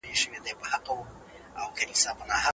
که دا امکانات نه وي لازم معلومات نه رامنځته کیږي.